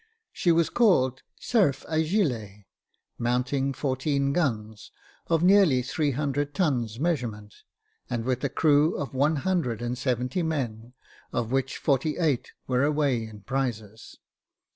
She was called the Cerf Agile, mounting fourteen guns, of nearly three hundred tons measurement, and with a crew of one hundred and seventy men, of which forty eight were away in prizes.